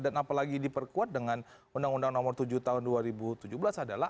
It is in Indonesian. dan apalagi diperkuat dengan undang undang nomor tujuh tahun dua ribu tujuh belas adalah